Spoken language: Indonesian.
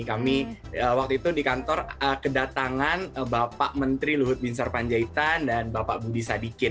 kami waktu itu di kantor kedatangan bapak menteri luhut bin sarpanjaitan dan bapak budi sadikin